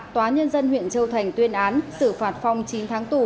tòa nhân dân huyện châu thành tuyên án xử phạt phong chín tháng tù